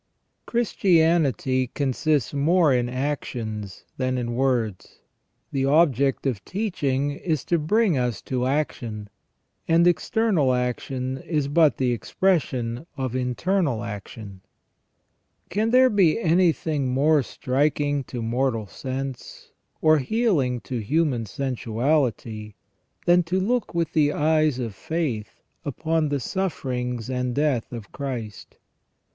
Christianity consists more in actions than in words ; the object of teaching is to bring us to action, and external action is but the expression of internal action. Can there be anything more striking to mortal sense, or healing to human sensuality, than to look with the eyes of faith upon the sufierings and death of Christ ?